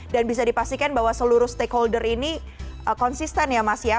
dan bisa dipastikan bahwa seluruh stakeholder ini konsisten ya mas ya